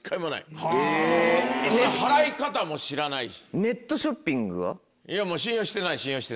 払い方も知らないし。